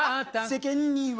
「世間には」